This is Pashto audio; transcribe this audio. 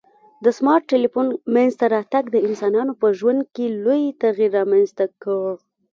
د سمارټ ټلیفون منځته راتګ د انسانانو په ژوند کي لوی تغیر رامنځته کړ